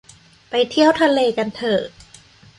ไปเที่ยวทะเลกันเถอะ